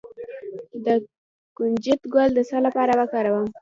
د کنجد ګل د څه لپاره وکاروم؟